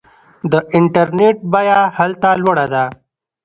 د انټرنیټ بیه هلته لوړه ده.